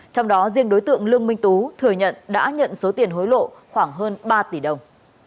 trong đó riêng đối tượng lương minh tú thừa nhận đã nhận số tiền hối lộ khoảng hơn ba tỷ đồng